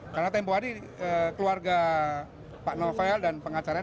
karena tempoh hari keluarga pak novel dan pengacaranya